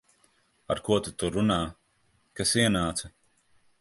Ar ko tu tur runā? Kas ienāca?